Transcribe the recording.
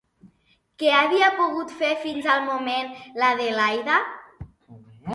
Què havia pogut fer fins al moment, l'Adelaida?